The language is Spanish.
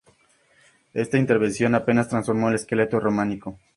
Esta intervención apenas transformó el esqueleto románico.